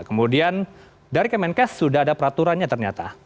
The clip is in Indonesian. kemudian dari kemenkes sudah ada peraturannya ternyata